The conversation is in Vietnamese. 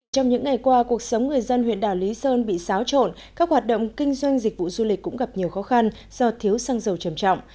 trong những ngày qua cuộc sống người dân huyện đảo lý sơn bị xáo trộn các hoạt động kinh doanh dịch vụ du lịch cũng gặp nhiều khó khăn do thiếu xăng dầu trầm trọng